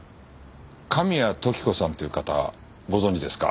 神谷時子さんという方ご存じですか？